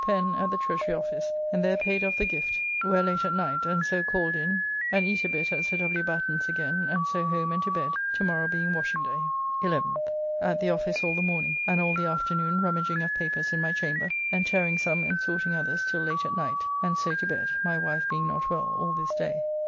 Pen at the Treasury Office, and there paid off the Guift, where late at night, and so called in and eat a bit at Sir W. Batten's again, and so home and to bed, to morrow being washing day. 11th. At the office all the morning, and all the afternoon rummaging of papers in my chamber, and tearing some and sorting others till late at night, and so to bed, my wife being not well all this day.